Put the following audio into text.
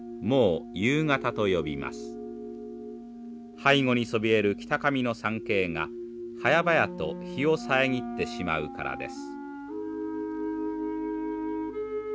背後にそびえる北上の山系がはやばやと日を遮ってしまうからです。